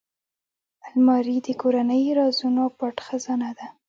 الماري د کورنۍ رازونو پټ خزانه ده